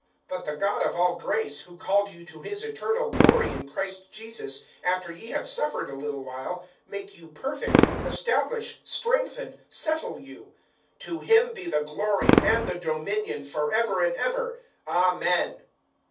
(10)But the God of all grace, who called you to his eternal glory in Christ Jesus, after ye have suffered a little while, make you perfect, establish, strengthen, settle you. (11)To him be the glory, and the dominion, forever and ever. Amen.